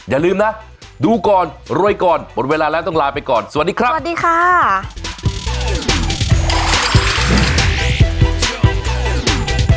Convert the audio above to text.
อย่าลืมนะดูก่อนรวยก่อนหมดเวลาแล้วต้องลาไปก่อนสวัสดีครับสวัสดีค่ะ